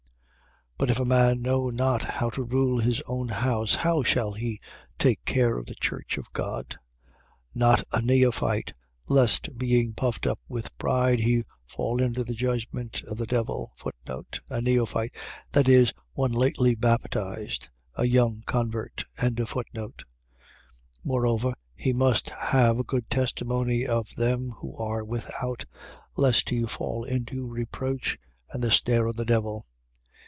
3:5. But if a man know not how to rule his own house, how shall he take care of the church of God? 3:6. Not a neophyte: lest, being puffed up with pride, he fall into the judgment of the devil. A neophyte. .. That is, one lately baptized, a young convert. 3:7. Moreover, he must have a good testimony of them who are without: lest he fall into reproach and the snare of the devil.